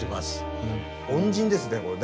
恩人ですねこれね。